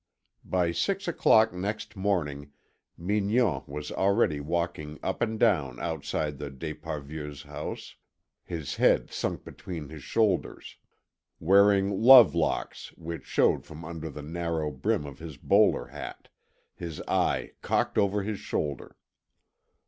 By six o'clock next morning Mignon was already walking up and down outside the d'Esparvieus' house, his head sunk between his shoulders, wearing love locks which showed from under the narrow brim of his bowler hat, his eye cocked over his shoulder.